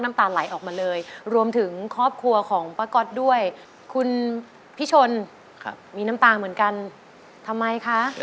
น้ำตาลไหลออกมาเลย